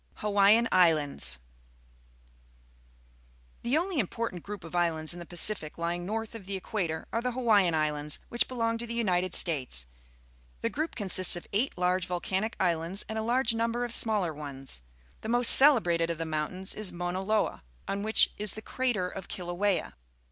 HAWAIIAN ISLANDS JO'K^^ The only important group of islands in the Pacific lying north of the equator are the Hawaiian Islands, which belong to the United States. The group consists of eight large volcanic islands and a large number of smaller ones. The most celebrated of the mountains is Mauna Loa, on which is the crater of Kilauea.